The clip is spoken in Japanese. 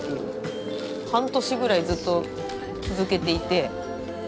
半年ぐらいずっと続けていて。